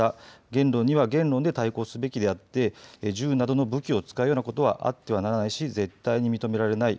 言論には言論で対抗すべきであって銃などの武器を使うようなことはあってはならないし絶対に認められない。